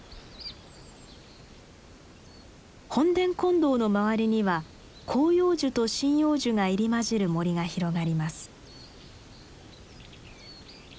本殿金堂の周りには広葉樹と針葉樹が入り交じる森が広がります。